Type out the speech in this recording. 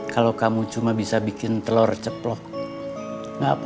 kalau kamu cuma bisa bikin telur ceplok gak apa apa